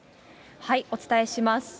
お伝えします。